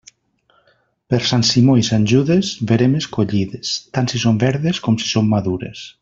Per Sant Simó i Sant Judes, veremes collides, tant si són verdes com si són madures.